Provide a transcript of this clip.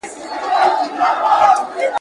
درې څلور یې وه بچي پکښي ساتلي ,